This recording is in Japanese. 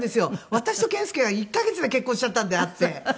私と健介は１カ月で結婚しちゃったんで会って。